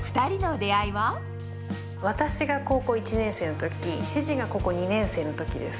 私が高校１年生のとき、主人が高校２年生のときです。